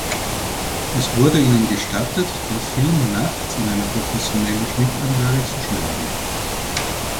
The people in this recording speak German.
Es wurde ihnen gestattet, den Film nachts in einer professionellen Schnittanlage zu schneiden.